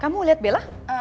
kamu liat bella